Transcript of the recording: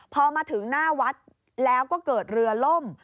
พอมาถึงหน้าวัดแล้วก็เกิดเรือล่ม